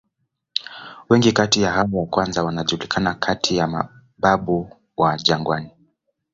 Wengi kati ya hao wa kwanza wanajulikana kati ya "mababu wa jangwani".